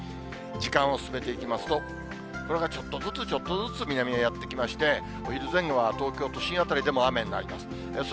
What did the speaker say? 時間を進めていきますと、これがちょっとずつちょっとずつ南へやって来まして、お昼前後は東京都心辺りでも雨になります。